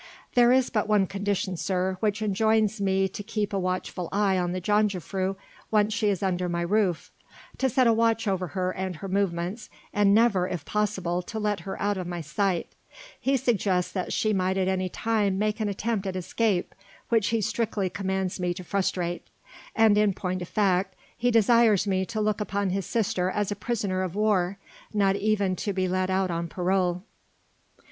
"There is but one condition, sir, which enjoins me to keep a watchful eye on the jongejuffrouw once she is under my roof: to set a watch over her and her movements, and never, if possible, to let her out of my sight; he suggests that she might at any time make an attempt at escape, which he strictly commands me to frustrate, and in point of fact he desires me to look upon his sister as a prisoner of war not even to be let out on parole."